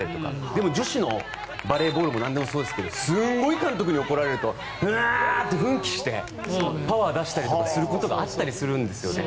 でも女子のバレーボールでもなんでもそうですけどすごい監督に怒られるとうわー！って奮起してパワーを出したりすることがあったりするんですよね。